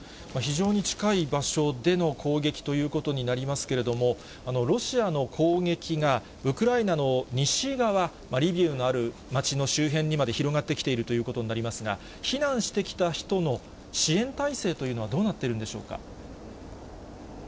非常に近い場所での攻撃ということになりますけれども、ロシアの攻撃がウクライナの西側、リビウのある街の周辺にまで広がってきているということになりますが、避難してきた人の支援態勢というのはどうなっているんでしょうか。